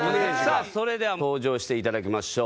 さあそれでは登場して頂きましょう。